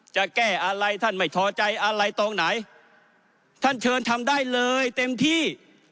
จะแก้อะไรท่านไม่ทอใจอะไรตรงไหนท่านเชิญทำได้เลยเต็มที่